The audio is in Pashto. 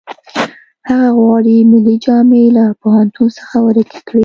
هغه غواړي ملي جامې له پوهنتون څخه ورکې کړي